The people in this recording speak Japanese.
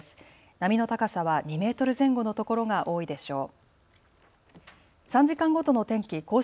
波の高さは２メートル前後の所が多いでしょう。